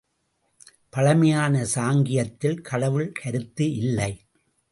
பழமையான சாங்கியத்தில் கடவுள் கருத்து இல்லை.